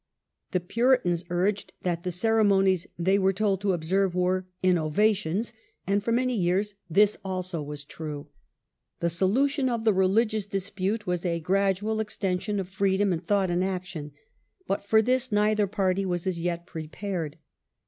The Puritans urged that the ceremonies they were told to observe were " innovations ", and for many years this also was true. The solution of the religious dispute was a gradual extension of freedom in thought and action, but for this The real neither party was as yet prepared.